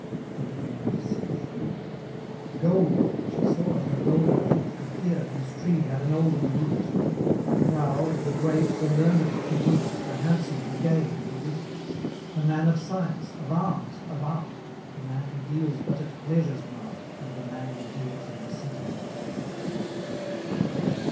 CXCVI. Gold! she saw at her golden foot The Peer whose tree had an olden root, The Proud, the Great, the Learned to boot, The handsome, the gay, and the witty The Man of Science of Arms of Art, The man who deals but at Pleasure's mart, And the man who deals in the City.